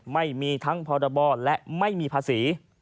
ไม่มีทั้งพรบและไม่มีภาษี